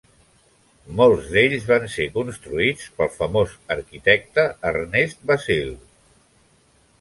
Molts d'ells van ser construïts pel famós arquitecte Ernesto Basile.